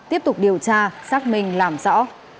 tiếp tục điều tra xác minh làm rõ